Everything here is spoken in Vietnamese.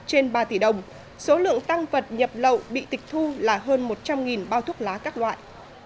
trên ba tỷ đồng số lượng tăng vật nhập lậu bị tịch thu là hơn một trăm linh bao thuốc lá các loại